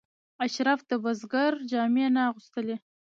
اشراف د بزګر جامې نه اغوستلې.